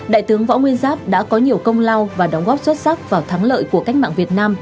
đại tướng võ nguyên giáp đã có nhiều công lao và đóng góp xuất sắc vào thắng lợi của cách mạng việt nam